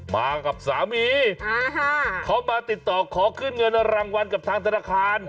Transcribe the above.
มากับสามีเขามาติดต่อขอขึ้นเงินรางวัลกับทางธนาคาร